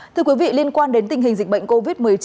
thưa quý vị liên quan đến tình hình dịch bệnh covid một mươi chín